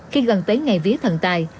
khi gần tới ngày vía thần tài